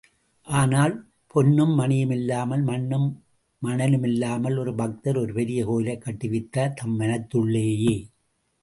ஆனால், பொன்னும் மணியும் இல்லாமல் மண்ணும் மணலுமில்லாமல், ஒரு பக்தர் ஒரு பெரிய கோயிலைக் கட்டுவித்தார் தம் மனத்துள்ளேயே.